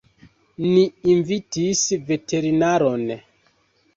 Ni invitis veterinaron.